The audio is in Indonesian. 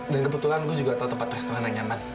kebetulan gue juga tau tempat restoran yang nyaman